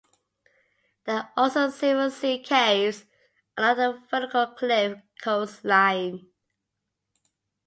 There are also several sea caves along the vertical cliff coast line.